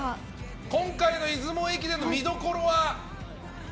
今回の出雲駅伝の見どころは？